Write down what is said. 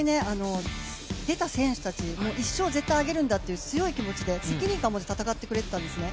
出た選手たち、１勝を絶対挙げるんだという強い気持ちで責任感持って戦ってくれてたんですね。